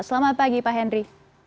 selamat pagi pak hendry